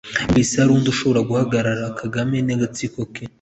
bumvise hari undi ushobora guhangara Kagame n’agatsiko ke